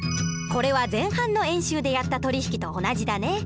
これは前半の演習でやった取引と同じだね。